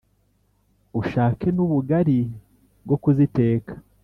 Ushake n'ubugali bwo kuziteka